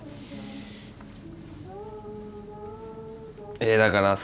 えだからさ